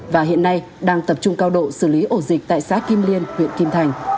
và hiện nay đang tập trung cao độ xử lý ổ dịch tại xã kim liên huyện kim thành